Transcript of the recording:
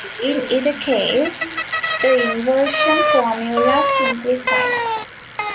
In either case, the inversion formula simplifies.